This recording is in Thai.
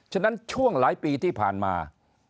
ฉะนั้นช่วงหลายปีที่ผ่านมา